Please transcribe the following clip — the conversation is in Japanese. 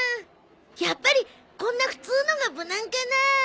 やっぱりこんな普通のが無難かな。